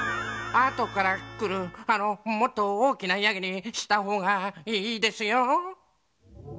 あとからくるあのもっとおおきなヤギにしたほうがいいですよ。